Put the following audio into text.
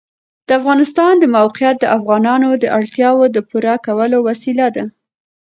د افغانستان د موقعیت د افغانانو د اړتیاوو د پوره کولو وسیله ده.